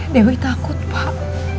dewi takut pak